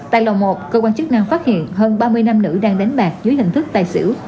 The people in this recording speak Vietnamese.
tại lầu một cơ quan chức năng phát hiện hơn ba mươi nam nữ đang đánh bạc dưới hình thức tài xỉu